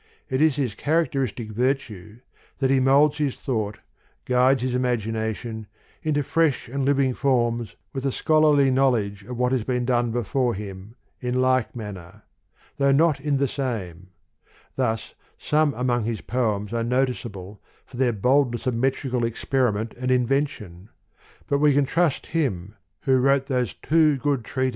It is his characteristic virtue, that he moulds his thought, guides his imagination, into fresh and living forms, with a schol arly knowledge of what has been done be fore him, in like manner, though not in the same : thus, some among his poems are noticeable for their boldness of metrical experiment and invention ; but we can trust him,' who wrote those two good treat THE POEMS OF MR. BRIDGES.